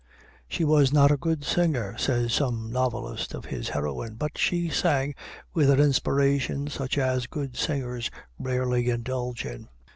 "She was not a good singer," says some novelist of his heroine, "but she sang with an inspiration such as good singers rarely indulge in."